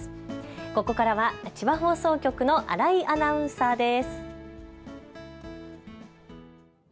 ここからは千葉放送局の新井アナウンサーです。